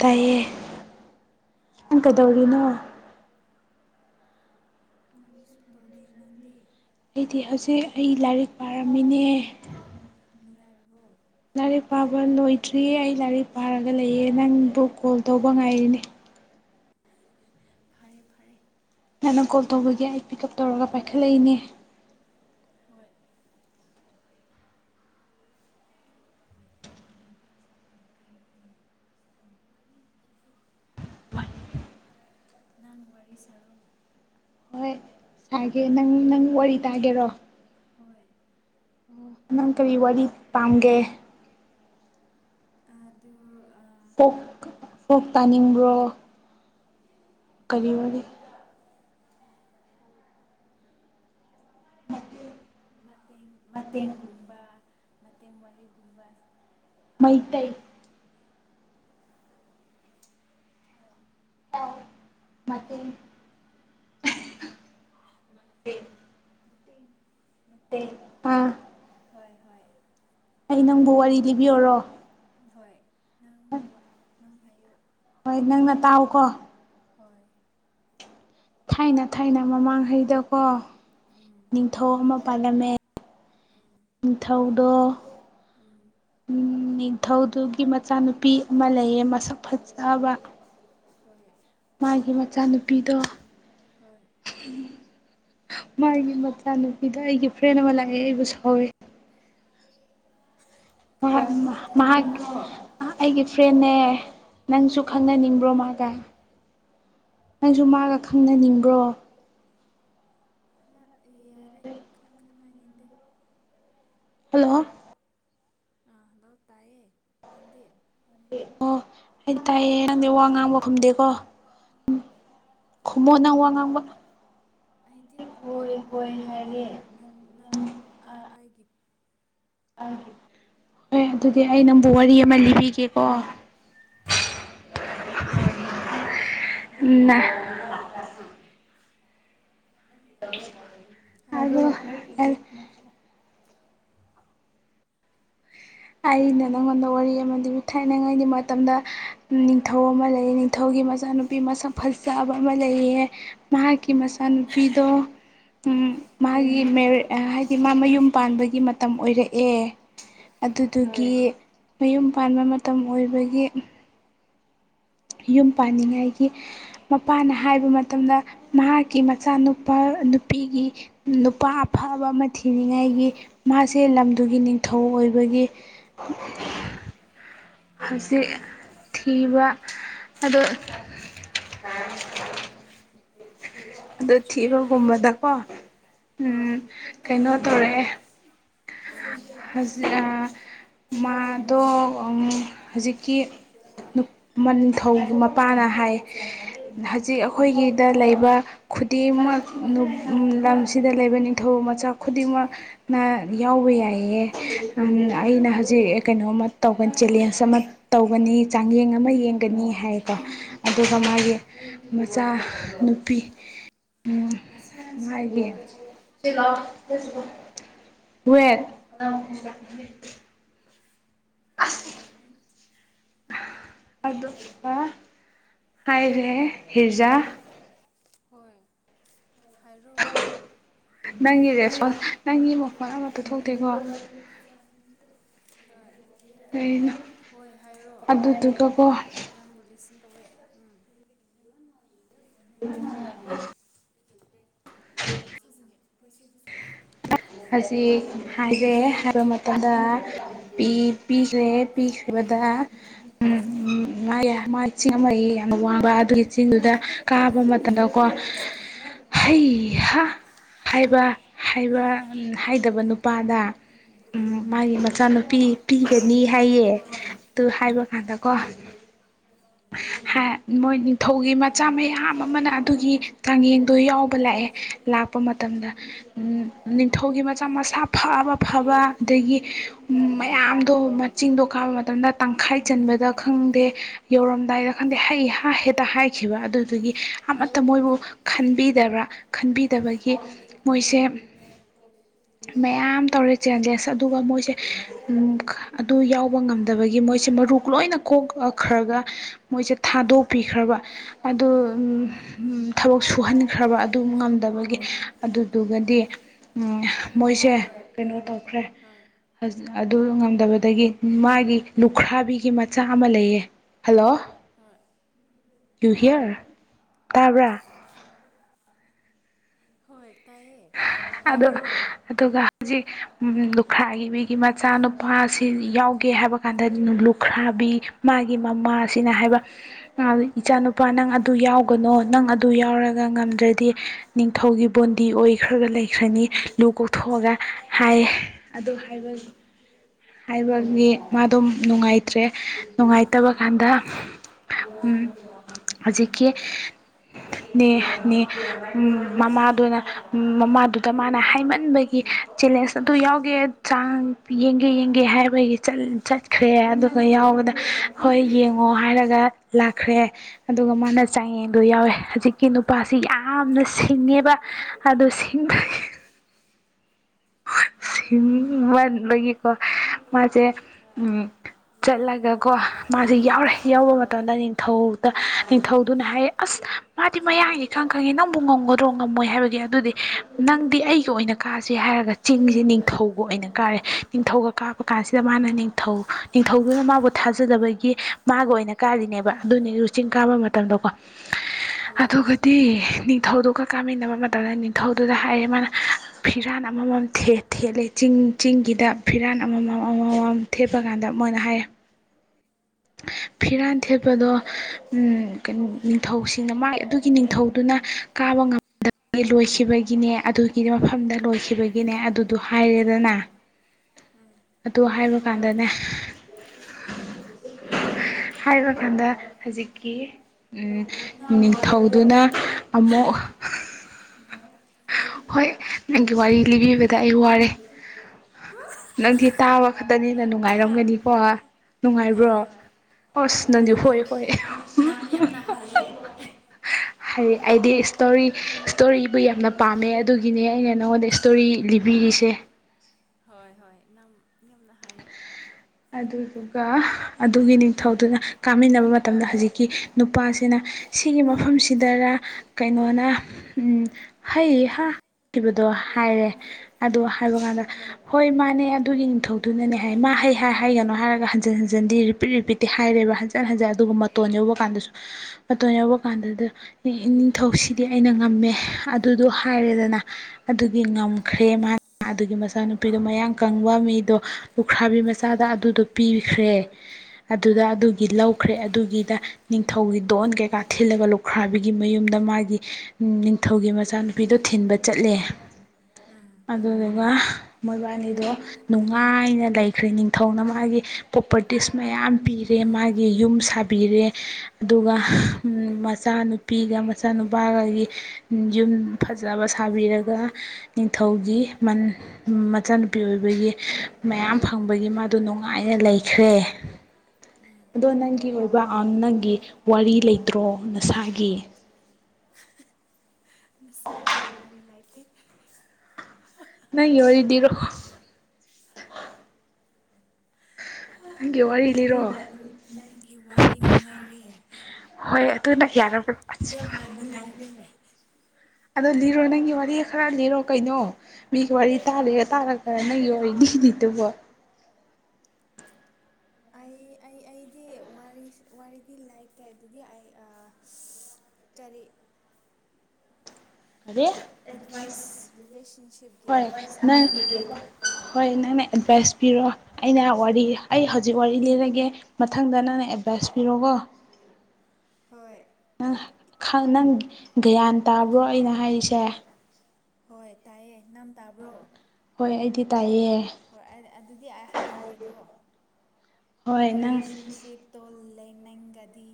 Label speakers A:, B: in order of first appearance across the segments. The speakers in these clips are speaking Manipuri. A: ꯇꯌꯦ ꯪ ꯀꯩꯗꯧꯔꯤꯅꯣ
B: ꯀꯔꯤꯁꯨ ꯇꯧꯗꯦ ꯅꯪꯗꯤ
A: ꯑꯩꯗꯤ ꯍꯧꯖꯤꯛ ꯑꯩ ꯂꯥꯏꯔꯤꯛ ꯄꯥꯔꯝꯃꯤꯅꯦ
B: ꯅꯨꯡꯉꯥꯏꯔꯕ
A: ꯂꯥꯏꯔꯤꯛ ꯄꯥꯕ ꯂꯣꯏꯗ꯭ꯔꯤꯌꯦ ꯑꯩ ꯂꯥꯏꯔꯤꯛ ꯄꯥꯔꯒ ꯂꯩꯌꯦ ꯅꯪꯕꯨ ꯀꯣꯜ ꯇꯧꯕ ꯉꯥꯏꯔꯤꯅꯦ
B: ꯐꯔꯦ ꯐꯔꯦ
A: ꯅꯪꯅ ꯀꯣꯜ ꯇꯧꯕꯒꯤ ꯑꯩ ꯄꯤꯛ ꯎꯞ ꯇꯧꯔꯒ ꯄꯥꯏꯈꯠꯂꯛꯏꯅꯦ
B: ꯍꯣꯏ ꯅꯪꯃꯔꯤ ꯁꯔꯨ
A: ꯍꯣꯏ ꯁꯥꯒꯦ ꯅꯪ ꯅꯪ ꯋꯥꯔꯤ ꯇꯥꯒꯦꯔꯣ
B: ꯍꯣꯏ
A: ꯅꯪ ꯀꯔꯤ ꯋꯥꯔꯤ ꯄꯥꯝꯒꯦ
B: ꯑ ꯑꯗꯨ
A: ꯐꯣꯛ ꯐꯣꯛ ꯇꯥꯅꯤꯡꯕ꯭ꯔꯣ ꯀꯔꯤ ꯋꯥꯔꯤ
B: ꯃꯇꯦꯡ
A: ꯃꯇꯦꯡ
B: ꯃꯇꯦꯡꯒꯨꯝꯕ ꯃꯇꯦꯡ ꯋꯥꯔꯤꯒꯨꯝꯕ
A: ꯃꯩ ꯇꯥꯏ [unintelligible]
B: ꯃꯇꯦꯡ
A: ꯑꯥ
B: ꯍꯣꯏ ꯍꯣꯏ
A: ꯑꯩ ꯅꯪꯕꯨ ꯋꯥꯔꯤ ꯂꯤꯕꯤꯔꯣ
B: [unintelligible]
A: ꯎꯝ
B: ꯅꯪ ꯍꯥꯏꯌꯨ
A: ꯍꯣꯏ ꯅꯪꯅ ꯇꯥꯛꯎꯀꯣ
B: ꯍꯣꯏ
A: ꯊꯥꯏꯅ ꯊꯥꯏꯅ ꯃꯃꯥꯡꯍꯩꯗꯀꯣ
B: ꯎꯝ
A: ꯅꯤꯡꯊꯧ ꯑꯃ ꯄꯥꯜꯂꯝꯃꯦ
B: ꯎꯝ
A: ꯅꯤꯡꯊꯧꯗꯣ
B: ꯎꯝ
A: ꯅꯤꯡꯊꯧꯗꯨꯒꯤ ꯃꯆꯥꯅꯨꯄꯤ ꯑꯃ ꯂꯩꯌꯦ ꯃꯁꯛ ꯐꯖꯕ
B: ꯍꯣꯏ
A: ꯃꯥꯒꯤ ꯃꯆꯥꯅꯨꯄꯤꯗꯣ ꯎꯝ
B: ꯍꯣꯏ
A: ꯃꯥꯒꯤ ꯃꯆꯥꯅꯨꯄꯤꯗ ꯑꯩꯒꯤ ꯐ꯭ꯔꯦꯟ ꯑꯃ ꯂꯥꯛꯑꯦ ꯑꯩꯕꯨ ꯁꯥꯎꯋꯦ ꯃꯍꯥꯛ
B: ꯀꯔꯤꯅꯣ
A: ꯑꯩꯒꯤ ꯐ꯭ꯔꯦꯟꯅꯦ ꯅꯪꯁꯨ ꯈꯪꯅꯅꯤꯡꯕ꯭ꯔꯣ ꯃꯥꯒ ꯅꯪꯁꯨ ꯃꯥꯒ ꯈꯪꯅꯅꯤꯡꯕ꯭ꯔꯣ
B: [unintelligible]
A: ꯎꯦ
B: ꯈꯪ ꯈꯪꯅ ꯌꯦꯡꯗꯦ
A: ꯍꯜꯂꯣ
B: ꯑ ꯍꯗꯣ ꯇꯥꯏꯌꯦ ꯅꯗꯤ
A: ꯑꯣ ꯇꯌꯦ ꯅꯪꯗꯤ ꯋꯥ ꯉꯥꯡꯕ ꯐꯨꯝꯗꯦꯀꯣ ꯎ ꯈꯨꯃꯣꯠ ꯅꯪ ꯋꯥ ꯉꯥꯡꯕ
B: ꯑꯩꯗꯤ
A: ꯍꯣꯏ ꯍꯥꯏꯒꯦ
B: ꯍꯥꯏꯔꯦ ꯅꯪ ꯅꯪ ꯑꯩꯒꯤ
A: [unintelligible] ꯑꯗꯨꯗꯤ ꯑꯩ ꯅꯪꯕꯨ ꯋꯥꯔꯤ ꯑꯃ ꯂꯤꯕꯤꯒꯦꯀꯣ
B: ꯇꯥꯞ ꯍꯣꯏ ꯍꯣꯏ ꯍꯥꯏꯔꯣ
A: ꯑꯣ ꯑꯩꯅꯥ ꯅꯉꯣꯟꯗ ꯋꯥꯔꯤ ꯑꯃꯗꯤ ꯃꯤ ꯊꯥꯏꯅꯉꯩꯒꯤ ꯃꯇꯝꯗ ꯅꯤꯡꯊꯧ ꯑꯃ ꯂꯩꯌꯦ ꯅꯤꯡꯊꯧꯒꯤ ꯃꯆꯥꯅꯨꯄꯤ ꯃꯁꯛ ꯐꯖ ꯆꯥꯕ ꯑꯃ ꯂꯩꯌꯦ ꯃꯍꯥꯛꯀꯤ ꯃꯆꯥꯅꯨꯄꯤꯗꯣ ꯎꯝ
B: ꯎꯝ
A: ꯃꯥꯒꯤ ꯃꯑꯦꯔꯤꯠ ꯍꯥꯏꯗꯤ ꯃꯥ ꯃꯌꯨꯝ ꯄꯥꯟꯕꯒꯤ ꯃꯇꯝ ꯑꯣꯏꯔꯛꯑꯦ
B: ꯍꯣꯏ
A: ꯑꯗꯨꯗꯨꯒꯤ ꯃꯌꯨꯝ ꯄꯥꯟꯕ ꯃꯇꯝ ꯑꯣꯏꯕꯒꯤ ꯌꯨꯝ ꯄꯥꯟꯅꯤꯡꯉꯥꯏꯒꯤ ꯃꯄꯥꯅ ꯍꯥꯏꯕ ꯃꯇꯝꯗ ꯃꯍꯥꯛꯀꯤ ꯃꯆꯥꯅꯨꯄꯥ ꯅꯨꯄꯤꯒꯤ ꯅꯨꯄꯥ ꯑꯐꯕ ꯑꯃ ꯊꯤꯅꯤꯡꯉꯥꯏꯒꯤ ꯃꯥꯁꯦ ꯂꯝꯗꯨꯒꯤ ꯅꯤꯡꯊꯧ ꯑꯣꯏꯕꯒꯤ ꯍꯧꯖꯤꯛ ꯊꯤꯕ ꯑꯗꯣ [unintelligible] ꯑꯗꯨ
B: ꯆꯨꯝꯃꯦ ꯍꯥꯏꯌꯣ
A: ꯊꯤꯕꯒꯨꯝꯕꯗꯀꯣ
B: ꯍꯣꯏ
A: ꯎꯝ ꯀꯩꯅꯣ
B: ꯑꯣ ꯍꯣꯏ
A: ꯇꯧꯔꯛꯑꯦꯖꯤꯛ ꯃꯥꯗꯣ ꯍꯧꯖꯤꯛꯀꯤ ꯃꯟꯊꯧꯒꯤ ꯃꯄꯥꯅ ꯍꯥꯏ ꯍꯧꯖꯤꯛ ꯑꯩꯈꯣꯏꯒꯤ ꯂꯩꯕ ꯈꯨꯗꯤꯡꯃꯛ ꯂꯝꯁꯤꯗ ꯂꯩꯕ ꯅꯤꯡꯊꯧ ꯃꯆꯥ ꯈꯨꯗꯤꯡꯃꯛꯅ ꯌꯥꯎꯕ ꯌꯥꯏꯌꯦ ꯑꯩꯅ ꯍꯧꯖꯤꯛ ꯀꯩꯅꯣꯝꯃ ꯇꯧꯒꯅꯤ ꯆꯦꯂꯦꯟꯖ ꯑꯃ ꯇꯧꯒꯅꯤ ꯆꯥꯡꯌꯦꯡ ꯑꯃ ꯌꯦꯡꯒꯅꯤ ꯍꯥꯏꯌꯦꯀꯣ ꯑꯗꯨꯒ ꯃꯥꯒꯤ ꯃꯆꯥ ꯅꯨꯄꯤ ꯃꯥꯒꯤ ꯋꯦꯠ ꯑꯁ ꯑꯗꯨꯗ ꯍꯥꯏꯗꯦꯍꯦ ꯍꯤꯖꯥ
B: ꯍꯣꯏ ꯍꯥꯏꯔꯣ
A: ꯅꯪꯒꯤ ꯔꯦꯁꯄꯣꯟꯁ ꯅꯪꯒꯤ ꯃꯈꯣꯟ ꯑꯃꯠꯇ ꯊꯣꯛꯇꯦꯀꯣ
B: ꯍꯣꯏ
A: ꯀꯩꯅꯣ
B: ꯍꯣꯏ ꯍꯥꯏꯔꯣ ꯑꯩ
A: ꯑꯗꯨꯗꯨꯒꯀꯣ
B: ꯅꯪꯕꯨ ꯂꯤꯁꯤꯡ
A: [unintelligible] [unintelligible]
B: ꯀꯁꯤꯄ [unintelligible]
A: ꯑꯁꯤ ꯍꯥꯏꯔꯦ ꯍꯥꯏꯕ ꯃꯇꯝꯗ ꯄꯤꯈ꯭ꯔꯦ
B: ꯎꯝ
A: ꯄꯤꯈꯤꯕꯗ ꯃꯥ ꯆꯤꯡ ꯑꯃ ꯌꯥꯝꯅ ꯋꯥꯡꯕ ꯑꯗꯨꯒꯤ ꯆꯤꯡꯗꯨꯗ ꯀꯥꯕ ꯃꯇꯝꯗꯀꯣ ꯍꯩ ꯍꯥ ꯍꯥꯏꯕ ꯍꯥꯏꯕ ꯍꯥꯏꯗꯕ ꯅꯨꯄꯥꯗ ꯃꯥꯒꯤ ꯃꯆꯥꯅꯨꯄꯤ ꯄꯤꯒꯅꯤ ꯍꯥꯏꯌꯦ
B: ꯍꯣꯏ
A: ꯇꯧ ꯍꯥꯏꯕ ꯑꯗꯀꯣ
B: ꯎꯝ
A: ꯃꯣꯏ ꯊꯧꯒꯤ
B: ꯍꯣꯏ
A: ꯃꯆꯥ ꯃꯌꯥꯝ ꯑꯃ
B: ꯍꯣꯏ ꯎꯝ
A: ꯑꯃꯅ
B: ꯍꯣꯏ
A: ꯑꯗꯨꯒꯤ
B: ꯍꯣꯏ
A: ꯆꯥꯡꯌꯦꯡꯗꯣ ꯌꯥꯎꯕ ꯂꯥꯛꯑꯦ ꯂꯥꯛꯄ ꯃꯇꯝ ꯃꯇꯝꯗ ꯎꯝ ꯅꯤꯡꯊꯧꯒꯤ ꯃꯆꯥ ꯃꯁꯥ ꯐꯕ ꯐꯕ ꯑꯗꯒꯤ ꯃꯌꯥꯝꯗꯣ ꯆꯤꯡꯗꯣ ꯀꯥꯕ ꯃꯇꯝꯗ ꯇꯪꯈꯥꯏ ꯆꯟꯕꯗ ꯈꯪꯗꯦ ꯌꯧꯔꯝꯗꯥꯏꯗ ꯈꯪꯗꯦ ꯍꯩꯍ ꯍꯦꯛꯇ ꯍꯥꯏꯈꯤꯕ ꯑꯗꯨꯗꯨꯒꯤ ꯑꯃꯠꯇ ꯃꯣꯏꯕꯨ ꯈꯟꯕꯤꯗꯕ꯭ꯔꯥ ꯈ ꯐꯠꯇꯕꯒꯤ ꯃꯣꯏꯁꯦ ꯃꯌꯥꯝ ꯇꯧꯔꯤ ꯆꯦꯂꯦꯟꯁ ꯑꯗꯨꯒ ꯃꯣꯏꯁꯦ ꯑꯗꯨ ꯌꯥꯎꯕ ꯉꯝꯗꯕꯒꯤ ꯃꯣꯏꯁꯦ ꯃꯔꯨ ꯂꯣꯏꯅ ꯀꯣꯛꯈ꯭ꯔꯒ ꯃꯣꯏꯁꯦ ꯊꯥꯗꯣꯛꯄꯤꯈ꯭ꯔꯕ ꯑꯗꯨ ꯊꯕꯛ ꯁꯨꯍꯟꯈ꯭ꯔꯕ ꯑꯗꯨ ꯉꯝꯗꯕꯒꯤ ꯑꯗꯨꯗꯨꯒꯗꯤ ꯎꯝ ꯃꯣꯏꯁꯦ
B: ꯍꯣꯏ
A: ꯀꯩꯅꯣ ꯇꯧꯈ꯭ꯔꯦ
B: ꯍꯣꯏ
A: ꯑꯗꯨ ꯉꯝꯗꯕꯗꯒꯤ ꯃꯥꯒꯤ ꯂꯨꯈ꯭ꯔꯥꯕꯤꯒꯤ ꯃꯆꯥ ꯑꯃ ꯂꯩꯌꯦ ꯍꯜꯂꯣ
B: ꯍꯣꯏ
A: ꯇꯨꯍꯤꯌꯥꯔ ꯇꯥꯕ꯭ꯔꯥ
B: ꯍꯣꯏ ꯇꯥꯏꯌꯦ
A: ꯑꯗ
B: ꯍꯥꯏꯔꯣ
A: ꯑꯗꯨꯒꯖꯤ ꯂꯨꯈ꯭ꯔꯥꯕꯤꯒꯤ ꯃꯤꯒꯤ ꯃꯆꯥꯅꯨꯄꯥꯁꯤ ꯌꯥꯎꯒꯦ ꯍꯥꯏꯕ ꯀꯥꯟꯗ ꯂꯨꯈ꯭ꯔꯥꯕꯤ ꯃꯥꯒꯤ ꯃꯃꯥꯁꯤꯅ ꯍꯥꯏꯕ ꯏꯆꯥꯅꯨꯄꯥ ꯅꯪ ꯑꯗꯨ ꯌꯥꯎꯒꯅꯣ ꯅꯪ ꯑꯗꯨ ꯌꯥꯎꯔꯒ ꯉꯝꯗ꯭ꯔꯗꯤ ꯅꯤꯡꯊꯧꯒꯤ ꯕꯣꯟꯗꯤ ꯑꯣꯏ ꯈꯔ ꯈ ꯂꯩꯈ꯭ꯔꯅꯤ ꯂꯨ ꯀꯣꯛꯊꯣꯛꯑꯒ ꯍꯥꯏꯌꯦ ꯑꯗꯨ ꯍꯥꯏꯕ ꯍꯥꯏꯕ
B: ꯍꯣꯏ
A: ꯃꯤ ꯃꯥꯗꯨꯝ ꯅꯨꯡꯉꯥꯏꯇ꯭ꯔꯦ ꯅꯨꯡꯉꯥꯏꯇꯕ ꯀꯥꯟꯗ ꯍꯧꯖꯤꯛꯀꯤ ꯅꯦ ꯅꯦ ꯃꯥꯗꯨꯅ ꯃꯃꯥꯗꯨꯗ ꯃꯥꯅ ꯍꯥꯏꯃꯟꯕꯒꯤ ꯆꯦꯂꯦꯟꯖ ꯑꯗꯨ ꯌꯥꯎꯒꯦ ꯆꯥꯡ ꯌꯦꯡꯒꯦ ꯌꯦꯡꯒꯦ ꯍꯥꯏꯕꯒꯤ ꯆꯠꯈ꯭ꯔꯦ ꯑꯗꯨꯒ ꯌꯥꯎꯕꯗ ꯍꯣꯏ ꯌꯦꯡꯉꯣ ꯍꯥꯏꯔꯒ ꯂꯥꯛꯈ꯭ꯔꯦ ꯑꯗꯨꯒ
B: ꯎꯝ
A: ꯃꯥꯅ
B: ꯍꯣꯏ
A: ꯆꯥꯡꯌꯦꯡꯗꯣ ꯌꯥꯎꯋꯦ ꯍꯧꯖꯤꯛꯀꯤ ꯅꯨꯄꯥꯁꯤ
B: ꯍꯣꯏ
A: ꯌꯥꯝꯅ ꯁꯤꯡꯉꯦꯕ ꯑꯗꯣ ꯁꯤ ꯁꯤꯕꯗꯒꯤꯀꯣ ꯃꯥꯁꯦ ꯆꯠꯂꯒꯀꯣ ꯃꯥꯁꯦ ꯌꯥꯎꯔꯦ ꯌꯥꯎꯕ ꯃꯇꯝꯗ ꯅꯤ ꯅꯤꯡꯊꯧꯗ ꯅꯤꯡꯊꯧꯗꯨꯅ ꯍꯥꯏꯌꯦ ꯑꯁ ꯃꯥꯗꯤ ꯃꯌꯥꯒꯤ ꯈꯪ ꯈꯪꯉꯦ ꯅꯪꯕꯨ ꯉꯝꯒꯗ꯭ꯔꯣ ꯉꯝꯃꯣꯏ ꯍꯥꯏꯕꯒꯤ ꯑꯗꯨꯗꯤ ꯅꯪꯗꯤ ꯑꯩꯒ ꯑꯣꯏꯅ ꯀꯥꯥꯁꯦ ꯍꯥꯏꯔꯒ ꯆꯤꯡꯁꯦ ꯅꯤꯡꯊꯧꯒ ꯑꯣꯏꯅ ꯀꯥꯔꯦ ꯅꯤꯡꯊꯧꯒ ꯀꯥꯞꯄ ꯀꯥꯟꯁꯤꯗ ꯃꯥꯅ ꯅꯤꯡꯊꯧ ꯅꯤꯡꯊꯧꯗꯨꯅ ꯃꯥꯕꯨ ꯊꯥꯖꯗꯕꯒꯤ ꯃꯥꯒ ꯑꯣꯏꯅ ꯀꯥꯔꯤꯅꯦꯕ ꯑꯗꯨꯅꯤꯨ ꯆꯤꯡ ꯀꯥꯕ ꯃꯇꯝꯗꯀꯣ
B: ꯍꯣꯏ ꯍꯣꯏ
A: ꯑꯗꯨꯒꯗꯤ ꯅꯤꯡ ꯊꯧꯗꯣ ꯀꯝ ꯑꯦ ꯅ ꯑꯃ ꯅ ꯅꯤꯡꯊꯧꯗꯨꯗ ꯍꯥꯏꯔꯦ ꯃꯥꯅ ꯐꯤꯔꯥꯟ ꯑꯃꯃꯝ ꯊꯦꯠꯂꯦ ꯆꯤꯡ ꯆꯤꯡꯒꯤꯗ ꯐꯤꯔꯥꯟ ꯑꯃꯃꯝ ꯑꯃꯃꯝ ꯊꯦꯠꯄ ꯀꯥꯟꯗ ꯃꯣꯏꯅ ꯍꯥꯏꯌꯦꯦ ꯐꯤꯔꯥꯟ
B: ꯎꯝ
A: ꯊꯦꯠꯄꯗ ꯅꯤꯡꯊꯧꯁꯤꯡꯅ ꯃꯥꯏ ꯑꯗꯨꯒꯤ ꯅꯤꯡꯊꯧꯗꯨꯅ ꯀꯥꯕ ꯉꯝꯗꯕ ꯂꯣꯏꯈꯤꯕꯒꯤꯅꯦ ꯑꯗꯨ ꯒꯤ ꯃꯐꯝꯗ
B: ꯎꯝ
A: ꯂꯣꯏꯈꯤꯕꯒꯤꯅꯦ ꯑꯗꯨ ꯑꯗꯨ ꯍꯥꯏꯔꯦꯗꯅ
B: ꯎꯝ
A: ꯑꯗꯨ ꯍꯥꯏꯔ
B: ꯍꯣꯏ
A: ꯀꯥꯟꯗꯅꯦ
B: ꯍꯣꯏ
A: ꯍꯥꯏꯔꯤꯕ ꯀꯥꯟꯗ ꯍꯧꯖꯤꯛꯀꯤ
B: ꯅꯪ ꯋꯥꯔꯕ꯭ꯔꯣ
A: ꯅꯤꯡꯊꯧꯗꯨꯅ ꯑꯃꯨꯛ ꯍꯣꯏ ꯅꯪꯒꯤ ꯋꯥꯔꯤ ꯂꯤꯕꯤꯕꯗ ꯑꯩ ꯋꯥꯔꯦ ꯅꯪꯗꯤ ꯇꯥꯕ ꯈ ꯇꯅꯦꯅ
B: ꯈꯔ
A: ꯅꯨꯡꯉꯥꯏꯔꯝꯒꯅꯤꯀꯣ ꯅꯨꯡꯉꯥꯏꯕ꯭ꯔꯣ
B: ꯍꯣꯏ ꯍꯣꯏ
A: ꯑꯁ
B: ꯍꯣꯏ
A: ꯅꯪꯗꯤ
B: ꯅꯨꯡꯉꯥꯏꯔꯦ
A: ꯍꯣꯏ
B: ꯅ ꯌꯥꯝꯅ ꯍꯥꯏꯌꯦ
A: ꯍꯥꯏ ꯍꯥꯏꯗꯤ ꯏꯁꯇꯣꯔꯤ ꯏꯁꯇꯣꯔꯤꯕꯨ ꯌꯥꯝꯅ ꯄꯥꯝꯃꯦ ꯑꯗꯨꯒꯤꯅꯦ ꯑꯩꯅ ꯅꯉꯣꯟꯗ ꯏꯁꯇꯣꯔꯤ ꯂꯤꯕꯤꯔꯤꯁꯦ
B: ꯍꯣꯏ ꯍꯣꯏ ꯅꯪ ꯌꯥꯝꯅ ꯍꯥꯏꯌꯦ
A: ꯑꯗꯨꯗꯨꯒ ꯑꯗꯨꯒꯤ
B: ꯎꯝ
A: ꯅꯤꯡꯊꯧꯗꯨꯅ ꯀꯥꯃꯤꯟꯅꯕ ꯃꯇꯝꯗ ꯍꯧꯖꯤꯛꯀꯤ ꯅꯨꯄꯥꯁꯤꯅ ꯁꯤꯒꯤ ꯃꯐꯝꯁꯤꯗꯔ ꯀꯩꯅꯣꯅ ꯍꯩ ꯍꯥꯈꯤꯕꯗꯣ ꯍꯥꯏꯔꯦ ꯑꯗꯣ ꯍꯥꯏꯕ ꯀꯥꯟꯗ ꯍꯣꯏ ꯃꯥꯅꯦ ꯑꯗꯨꯒꯤ ꯅꯤꯡꯊꯧ ꯑꯗꯨꯅꯅꯦ ꯍꯥꯏ ꯃꯥ ꯍꯩ ꯍꯥꯏ ꯍꯩꯒꯅꯣ ꯍꯥꯏꯔꯒ ꯍꯟꯖꯤꯟ ꯍꯟꯖꯤꯟꯗꯤ ꯔꯤꯄꯤꯠ ꯔꯤꯄꯤꯠꯇꯤ ꯍꯥꯏꯔꯦꯕ ꯍꯟꯖꯤꯟ ꯍꯟꯖꯤꯟ ꯑꯗꯨꯒ ꯃꯇꯣꯟ ꯌꯧꯕ ꯀꯥꯟꯗꯁꯨ ꯃꯇꯣꯟ ꯌꯧꯕ ꯀꯥꯟꯗꯗ ꯅꯤꯡꯊꯧꯁꯤꯗꯤ ꯑꯩꯅ ꯉꯝꯃꯦ ꯑꯗꯨꯗꯣ ꯍꯥꯏꯔꯦꯗꯅ ꯑꯗꯨꯒꯤ ꯉꯝꯈ꯭ꯔꯦ ꯃꯥ ꯑꯗꯨꯒꯤ ꯃꯆꯥꯅꯨꯄꯤꯗꯣ ꯃꯌꯥ ꯀꯪꯕ ꯃꯤꯗꯣ ꯂꯨꯈ꯭ꯔꯥꯕꯤ ꯃꯆꯥꯗ ꯑꯗꯨꯗꯣ ꯄꯤꯈ꯭ꯔꯦ ꯑꯗꯨꯗ ꯑꯗꯨꯒꯤ ꯂꯧꯈ꯭ꯔꯦ ꯑꯗꯨꯒꯤꯗ ꯅꯤꯡꯊꯧꯒꯤ ꯗꯣꯟ ꯀꯩꯀꯥ ꯊꯤꯜꯂꯒ ꯂꯨꯈ꯭ꯔꯥꯕꯤꯒꯤ ꯃꯌꯨꯝꯗ ꯃꯥꯒꯤ ꯅꯤꯡꯊꯧꯒꯤ ꯃꯆꯥꯅꯨꯄꯤꯗꯣ ꯊꯤꯟꯕ ꯆꯠꯂꯦ
B: ꯎꯝ
A: ꯑꯗꯨꯒꯒ ꯃꯣꯏꯕꯥꯅꯤꯗꯣ ꯅꯨꯡꯉꯥꯏꯅ ꯂꯩꯈ꯭ꯔꯦ ꯅꯤꯡꯊꯧꯅ ꯃꯥꯒꯤ ꯄ꯭ꯔꯣꯄꯔꯇꯤꯁ ꯃꯌꯥꯝ ꯄꯤꯔꯦ ꯃꯥꯒꯤ ꯒꯤ ꯌꯨꯝ ꯁꯥꯕꯤꯔꯦ ꯑꯗꯨꯒ ꯃꯆꯥꯅꯨꯄꯤꯒ ꯃꯆꯥꯅꯨꯄꯥꯒꯒꯤ ꯌꯨꯝ ꯐꯖꯕ ꯁꯥꯕꯤꯔꯒ ꯅꯤꯡꯊꯧꯒꯤ ꯃꯆꯥꯅꯨꯄꯤ ꯑꯣꯏꯕꯒꯤ ꯃꯌꯥꯝ ꯐꯪꯕꯒꯤ ꯃꯥꯗ ꯅꯨꯡꯉꯥꯏꯅ ꯂꯩꯈ꯭ꯔꯦ ꯑꯗꯣ ꯅꯪꯒꯤ ꯑꯣꯏꯕ ꯅꯪꯒꯤ ꯋꯥꯔꯤ ꯂꯩꯇ꯭ꯔꯣ ꯅꯁꯥꯒꯤ
B: ꯁꯥꯏꯒꯤꯋꯥꯔꯤ ꯂꯥꯏꯗꯤ
A: ꯅꯪꯒꯤ ꯋꯥꯔꯤꯂꯤꯔꯣ ꯍ
B: ꯑꯗꯨꯗꯤ ꯅ ꯅꯪꯒꯤ ꯋꯥꯔꯤ ꯅꯨꯡꯉꯥꯏꯔꯦ
A: ꯍꯣꯏ ꯑꯗꯨꯅ ꯌꯥꯔꯕ꯭ꯔꯣ
B: ꯌꯥꯝꯅ ꯅꯨꯡꯉꯥꯏꯔꯦ
A: ꯑꯗꯣ ꯂꯤꯔꯣ ꯅꯪꯒꯤ ꯋꯥꯔꯤ ꯈꯔ ꯂꯤꯔꯣ ꯀꯩꯅꯣ ꯃꯤꯒꯤ ꯋꯥꯔꯤ ꯇꯥꯔꯤꯒ ꯇꯥꯔꯒ ꯅꯪꯒꯤ ꯋꯥꯔꯤ ꯂꯤꯗ꯭ꯔꯤꯗꯨꯕ‌ꯣ
B: ꯑꯩ ꯑꯩ ꯑꯩꯗꯤ ꯋꯥꯔꯤꯗꯤ ꯂꯩꯥꯏꯇꯦ ꯑꯗꯨꯗꯤ ꯑꯩ ꯀꯔꯤ
A: ꯑꯗꯦ
B: ꯑꯦꯗꯚꯥꯏꯁ ꯔꯤꯂꯦꯁꯟꯁꯤꯞꯀꯤ
A: ꯍꯣꯏ
B: ꯑꯦꯗꯚꯥꯏꯁ ꯑꯃ ꯄꯤꯒꯦꯀꯣ
A: ꯍꯣꯏ ꯅꯪꯅ ꯑꯦꯠꯚꯥꯏꯁ ꯄꯤꯔꯣ ꯑꯩꯅ ꯋꯥꯔꯤ ꯑꯩ ꯍꯧꯖꯤꯛ ꯋꯥꯔꯤ ꯂꯤꯔꯒꯦ ꯃꯊꯪꯗ ꯅꯪꯅ ꯑꯦꯗꯚꯥꯏꯁ ꯄꯤꯔꯣꯀꯣ
B: ꯍꯣꯏ
A: ꯅꯪ ꯅꯪ ꯒ꯭ꯌꯥꯟ ꯇꯥꯕ꯭ꯔꯣ ꯑꯩꯅ ꯍꯥꯏꯔꯤꯁꯦ
B: ꯍꯣꯏ ꯇꯥꯏꯌꯦ ꯅꯪ ꯇꯥꯕ꯭ꯔꯣ
A: ꯍꯣꯏ ꯑꯩꯗꯤ ꯇꯥꯏꯌꯦ
B: ꯍꯣꯏ ꯑꯗꯨꯗꯤ ꯑꯩ ꯍꯥꯏꯒꯦꯀꯣ
A: ꯍꯣꯏ ꯅꯪ
B: ꯔꯤꯂꯦꯁꯟꯁꯤꯞ ꯇꯣꯜ ꯂꯩ ꯅꯪꯒꯗꯤ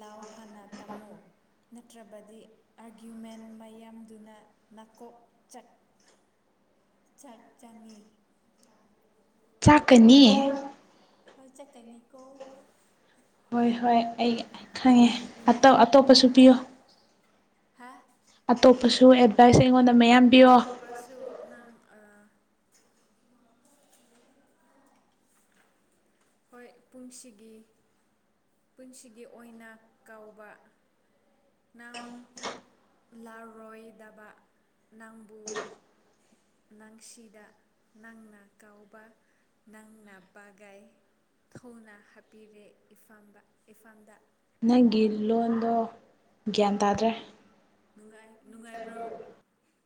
B: ꯂꯥꯎ ꯍꯥꯟꯅ ꯇꯝꯃꯨ ꯅꯠꯇ꯭ꯔꯕꯗꯤ ꯑꯥꯔꯒ꯭ꯌꯨꯃꯦꯟ ꯃꯌꯥꯝꯗꯨꯅ ꯅꯥꯀꯣꯛ ꯆꯠ ꯆꯠ ꯆꯅꯤ
A: ꯆꯥꯛꯀꯅꯤ
B: ꯍꯣꯏ ꯆꯠꯀꯅꯤꯀꯣ
A: ꯍꯣꯏ ꯍꯣꯏ ꯑꯩ ꯈꯪꯉꯦ ꯑꯇꯣꯞꯄꯁꯨ ꯄꯤꯌꯣ
B: ꯍꯥ
A: ꯑꯇꯣꯞꯄꯁꯨ ꯑꯦꯗꯚꯥꯏꯁ ꯑꯩꯉꯣꯟꯗ ꯃꯌꯥꯝ ꯄꯤꯌꯣ
B: ꯑꯇꯣꯞꯄꯁꯨ ꯅꯪ ꯍꯣꯏ ꯄꯨꯟꯁꯤꯒꯤ ꯄꯨꯟꯁꯤꯒꯤ ꯑꯣꯏꯅ ꯀꯧꯕ ꯅꯝ ꯂꯥꯔꯣꯏ ꯗꯕ ꯅꯪꯕꯨ ꯅꯪꯁꯤꯗ ꯅꯪꯅ ꯀꯥꯎꯕ ꯅꯪꯅ ꯕꯒꯥꯏ ꯊꯧꯅ ꯍꯥꯞꯄꯤꯔꯦꯐꯝ ꯏꯐꯝꯗ
A: ꯅꯪꯒꯤ ꯂꯣꯟꯗꯣ ꯒ꯭ꯌꯥꯟ ꯇꯥꯗ꯭ꯔꯦ
B: ꯅꯨꯡꯉꯥꯏ
A: [unintelligible]